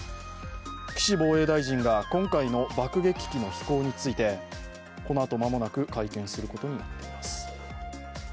岸防衛大臣が今回の爆撃機の飛行についてこのあと、まもなく会見することになっています。